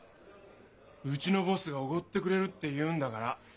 うちのボスがおごってくれるって言うんだから。